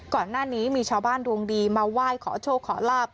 ก่อนหน้านี้มีชาวบ้านดวงดีมาไหว้ขอโชคขอลาบ